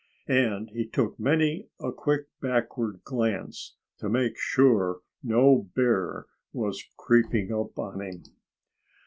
And he took many a quick backward glance, to make sure no bear was creeping up on him.